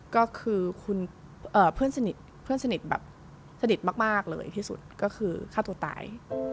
ก็คือเพื่อนสนิทแบบสนิทมากเลยที่สุดก็คือฆ่าตัวตาย